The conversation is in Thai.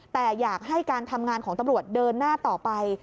แต่อยากให้การทำงานของตำรวจเดินหน้าต่อไป